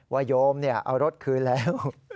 ว่าโยมเนี่ยเอารถคืนแล้ว